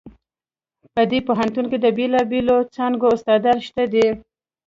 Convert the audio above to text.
په دې پوهنتون کې د بیلابیلو څانګو استادان شته دي